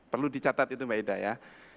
perlu dicatat itu mbak ida ya